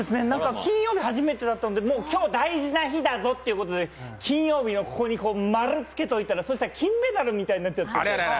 金曜日は初めてだったんで、今日は大事な日だぞということで、金曜日のここに○つけておいたらそしたら金メダルみたいになっちゃって。